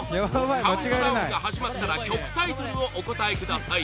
カウントダウンが始まったら曲タイトルをお答えください